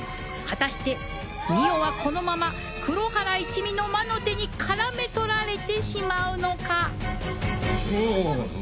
果たして澪はこのまま黒原一味の魔の手に絡め取られてしまうのか！？